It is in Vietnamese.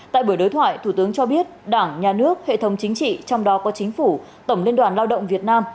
tại buổi đối thoại thủ tướng cho biết đảng nhà nước hệ thống chính trị trong đó có chính phủ tổng liên đoàn lao động việt nam